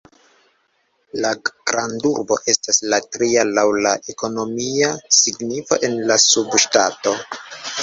La grandurbo estas la tria laŭ la ekonomia signifo en la subŝtato.